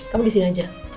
kamu di sini aja